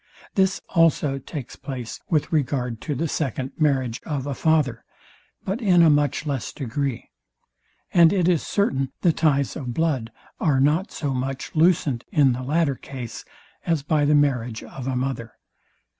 This also takes place with regard to the second marriage of a father; but in a much less degree: And it is certain the ties of blood are not so much loosened in the latter case as by the marriage of a mother.